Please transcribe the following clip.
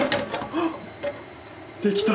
あっ！